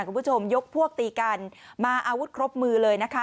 คุณผู้ชมยกพวกตีกันมาอาวุธครบมือเลยนะคะ